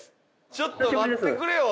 ちょっと待ってくれよ